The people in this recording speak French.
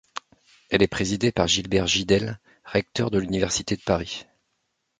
Elle est présidée par Gilbert Gidel, recteur de l'Université de Paris.